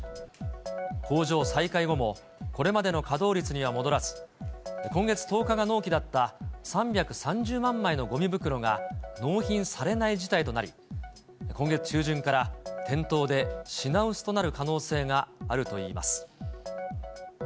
工場再開後も、これまでの稼働率には戻らず、今月１０日が納期だった３３０万枚のごみ袋が納品されない事態となり、今月中旬から店頭で品薄となる可能性があるといいます。